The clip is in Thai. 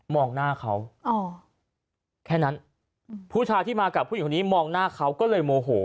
หน้าเขาอ๋อแค่นั้นผู้ชายที่มากับผู้หญิงคนนี้มองหน้าเขาก็เลยโมโห